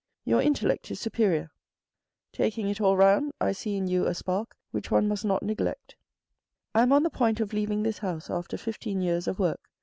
Your intellect is superior. Taking it all round, I see in you a spark which one must not neglect. " I am on the point of leaving this house after fifteen years of work.